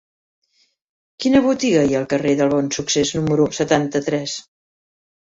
Quina botiga hi ha al carrer del Bonsuccés número setanta-tres?